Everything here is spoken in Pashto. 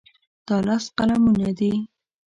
دا لس قلمونه دي.